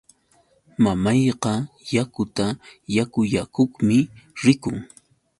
Mamayqa yakuta yakullakuqmi rikun.